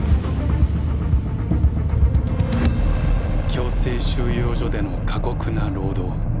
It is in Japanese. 強制収容所での過酷な労働。